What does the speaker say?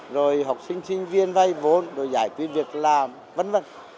rồi học sinh sinh viên vay vốn rồi giải quyết việc làm v v